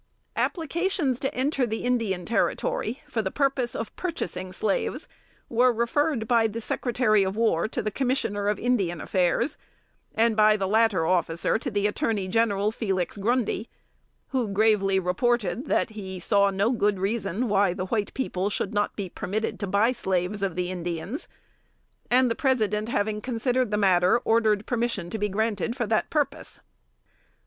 Applications to enter the Indian Territory for the purpose of purchasing slaves were referred by the Secretary of War to the Commissioner of Indian Affairs, and by the latter officer to the Attorney General Felix Grundy, who gravely reported, that he "saw no good reason why the white people should not be permitted to buy slaves of the Indians;" and the President having considered the matter, ordered permission to be granted for that purpose.